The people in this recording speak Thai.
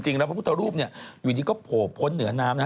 จริงแล้วพระพุทธธรูปอยู่ดีก็โผล่พ้นเหนือน้ำ